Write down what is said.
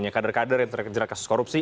kader kader yang terkena kasus korupsi